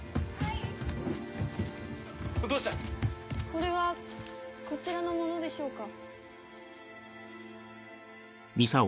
これはこちらのものでしょうか？